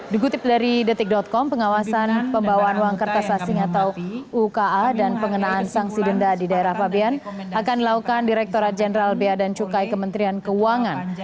dikutip dari detik com pengawasan pembawaan uang kertas asing atau uka dan pengenaan sanksi denda di daerah pabean akan dilakukan direkturat jenderal bea dan cukai kementerian keuangan